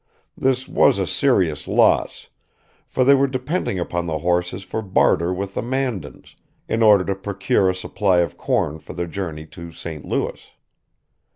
This was a serious loss; for they were depending upon the horses for barter with the Mandans, in order to procure a supply of corn for the journey to St. Louis.